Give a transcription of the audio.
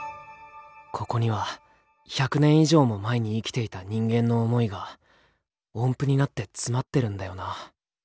「ここには１００年以上も前に生きていた人間の想いが音符になって詰まってるんだよな」。